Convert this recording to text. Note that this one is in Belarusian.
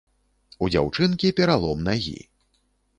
У дзяўчынкі пералом нагі.